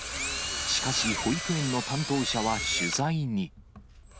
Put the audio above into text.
しかし、保育園の担当者は取材に。